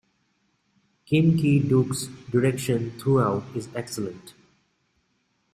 Kim Ki-duk's direction throughout is excellent.